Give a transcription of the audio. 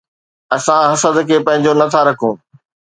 اسان حسد کي پنهنجو نه ٿا رکون